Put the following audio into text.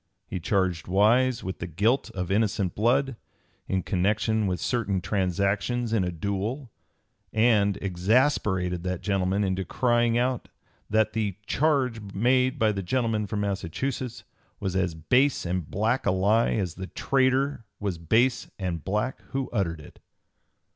He charged Wise with the guilt of innocent blood, in connection with certain transactions in a duel, and exasperated that gentleman into crying out that the "charge made by the gentleman from Massachusetts was as base and black a lie as the traitor was base and black who uttered it."